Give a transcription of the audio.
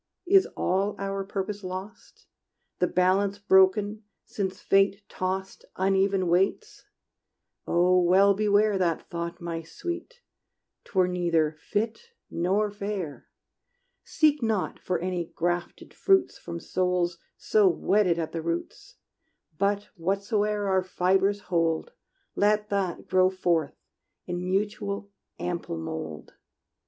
Is all our purpose lost? The balance broken, since Fate tossed Uneven weights? Oh well beware That thought, my sweet: 't were neither fit nor fair! Seek not for any grafted fruits From souls so wedded at the roots; But whatsoe'er our fibres hold, Let that grow forth in mutual, ample mold!